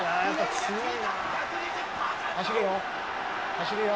走るよ！